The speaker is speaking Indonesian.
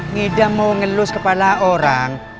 ngidam mau ngelus kepala orang